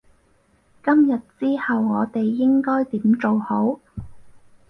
今日之後我哋應該點做好？